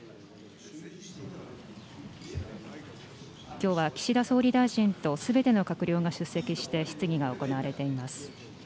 きょうは岸田総理大臣と、すべての閣僚が出席して質疑が行われています。